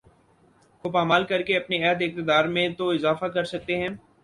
کو پامال کرکے اپنے عہد اقتدار میں تو اضافہ کر سکتے ہیں